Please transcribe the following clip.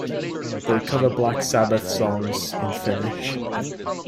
They cover Black Sabbath songs in Finnish.